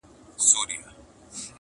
پر بګړۍ به وي زلمیو ګل ټومبلي،